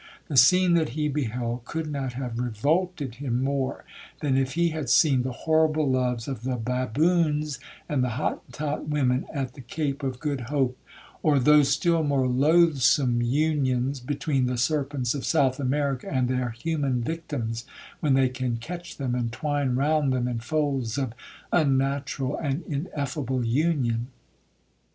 The scene that he beheld could not have revolted him more, than if he had seen the horrible loves of the baboons and the Hottentot women, at the Cape of Good Hope; or those still more loathsome unions between the serpents of South America and their human victims,1 when they can catch them, and twine round them in folds of unnatural and ineffable union.